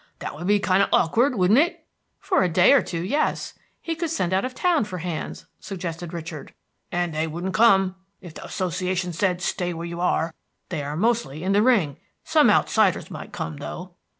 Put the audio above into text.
That would be kind of awkward, wouldn't it?" "For a day or two, yes. He could send out of town for hands," suggested Richard. "And they wouldn't come, if the Association said 'Stay where you are.' They are mostly in the ring. Some outsiders might come, though."